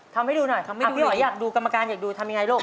ทำให้ดูหน่อยอยากดูกรรมการอยากดูทำอย่างไรลูก